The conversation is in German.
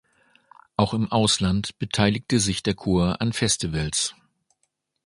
Auch im Ausland beteiligte sich der Chor an Festivals.